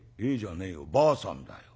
ばあさんだよ。